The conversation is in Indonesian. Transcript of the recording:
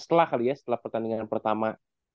setelah kali ya setelah pertandingan pertama